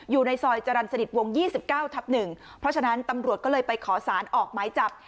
อยู่ในซอยจรรย์สนิทวง๒๙ทับ๑เพราะฉะนั้นตำรวจก็เลยไปขอสารออกหมายจับ